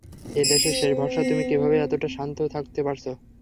এই দেশের শেষ ভরসা তুমি, কীভাবে এতোটা শান্ত থাকতে পারছ?